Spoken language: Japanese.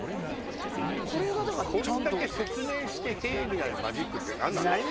こんだけ説明して「へ」になるマジックって何なの？